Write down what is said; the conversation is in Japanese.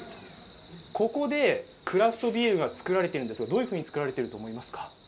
ここでクラフトビールが作られているんですがどういうふうに作られていると思いますか。